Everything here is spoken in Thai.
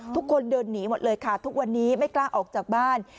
ทุกคนเดินหนีหมดเลยค่ะทุกวันนี้ไม่กล้าออกจากบ้าน